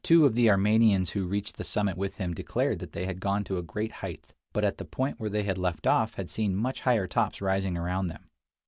l Two of the Armenians who reached the summit with him declared that they had gone to a great height, but at the point where they had left off had seen much higher tops rising around them.